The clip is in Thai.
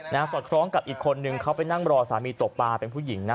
สอดคล้องกับอีกคนนึงเขาไปนั่งรอสามีตกปลาเป็นผู้หญิงนะ